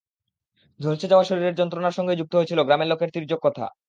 ঝলসে যাওয়া শরীরের যন্ত্রণার সঙ্গেই যুক্ত হয়েছিল গ্রামের লোকের তির্যক কথা।